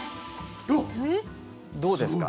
どうですか？